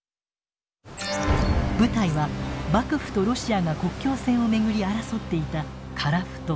舞台は幕府とロシアが国境線を巡り争っていた樺太。